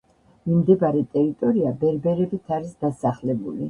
მიმდებარე ტერიტორია ბერბერებით არის დასახლებული.